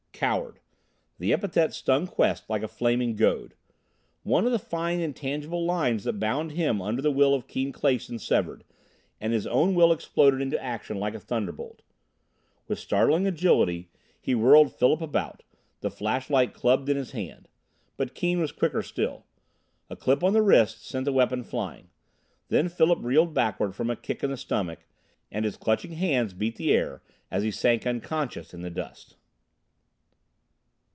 Coward! The epithet stung Quest like a flaming goad. One of the fine, intangible lines that bound him under the will of Keane Clason severed, and his own will exploded into action like a thunderbolt. With startling agility he whirled Philip about, the flashlight clubbed in his hand. But Keane was quicker still. A clip on the wrist sent the weapon flying. Then Philip reeled backward from a kick in the stomach, and his clutching hands beat the air as he sank unconscious in the dust.